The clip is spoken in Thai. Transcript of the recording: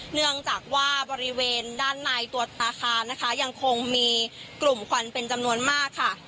เนื่องจากว่าบริเวณด้านในตัวอาคารนะคะยังคงมีกลุ่มควันเป็นจำนวนมากค่ะ